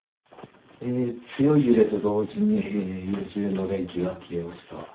強い揺れと同時に家じゅうの電気が消えました。